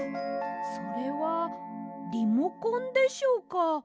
それはリモコンでしょうか？